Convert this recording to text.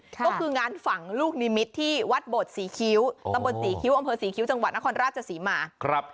ก็คืองานฝังลูกนิมิตรที่วัดโบดศรีคิ้วตำบลศรีคิ้วอำเภอศรีคิ้วจังหวัดนครราชศรีมา